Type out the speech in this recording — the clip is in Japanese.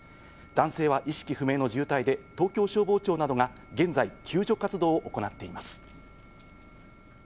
男性は意識不明の重体で、東京消防庁などが現在、救助活動を行っています。